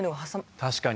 確かに。